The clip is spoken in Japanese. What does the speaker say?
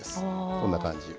こんな感じ。